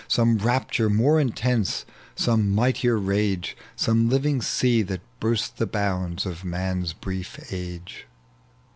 Some rapture more intense, some mightier rage. Some living sea that buret the bounds of man's brief age.